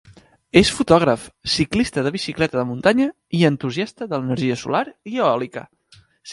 És fotògraf, ciclista de bicicleta de muntanya i entusiasta de l'energia solar i eòlica.